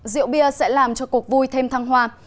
rượu bia sẽ làm cho cuộc vui thêm thăng hoa